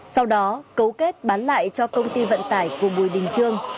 sau đó cấu kết bán lại cho công ty vận tải của bùi đình trương